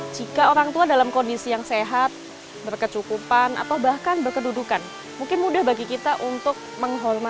jika orangtua dalam kondisi sehat berkedudukan atau berkedudukan mungkin mudah bagi kita untuk menghormati orangtua